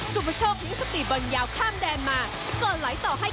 สุภโชคพิสุภิบรรยาวข้ามด้านมา